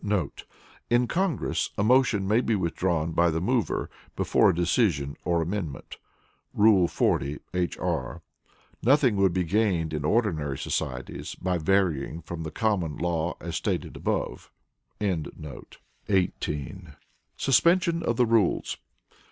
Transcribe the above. * [In Congress, a motion may be withdrawn by the mover, before a decision or amendment [Rule 40, H. R.]. Nothing would be gained in ordinary societies by varying from the common law as stated above.] 18. Suspension of the Rules.